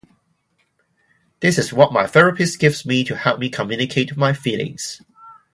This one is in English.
This is what my therapist gives me to help me communicate my feelings.